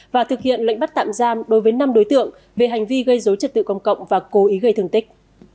và thực hiện lệnh bắt tạm giam đối với năm đối tượng về hành vi gây dối trật tự công cộng và cố ý gây thương tích